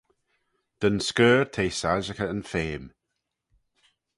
Dyn scuirr t'eh soilshaghey yn feme.